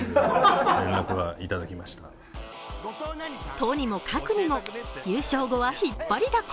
とにもかくにも、優勝後はひっぱりだこ。